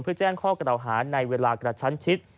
เพื่อแจ้งข้อกล่าวหาในเวลากระชั้นชิด